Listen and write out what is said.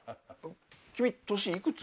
君年いくつ？